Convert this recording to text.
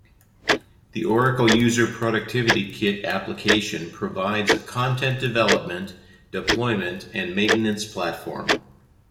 The Oracle User Productivity Kit application provides a content-development, deployment, and maintenance platform.